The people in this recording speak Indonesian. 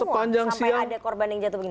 sampai ada korban yang jatuh begini